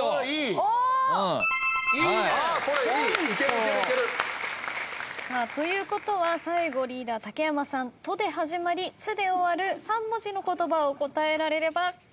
これいい！ということは最後リーダー竹山さん「と」で始まり「つ」で終わる３文字の言葉を答えられればゴールです。